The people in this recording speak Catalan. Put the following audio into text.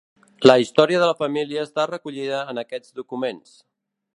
La història de la família està recollida en aquests documents.